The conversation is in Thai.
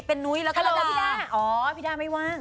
เป็นนุ้ยแล้วก็รับด้าพี่ด้าอ๋อพี่ด้าไม่ว่าง